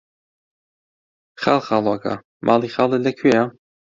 خاڵخاڵۆکە، ماڵی خاڵت لەکوێیە؟!